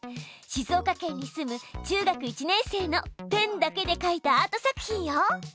しずおかけんに住む中学１年生のペンだけで描いたアート作品よ。